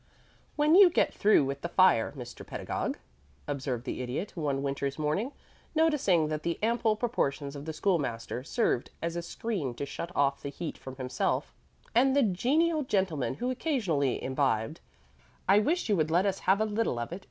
V "When you get through with the fire, Mr. Pedagog," observed the Idiot, one winter's morning, noticing that the ample proportions of the School master served as a screen to shut off the heat from himself and the genial gentleman who occasionally imbibed, "I wish you would let us have a little of it.